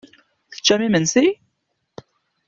Teččam imensi?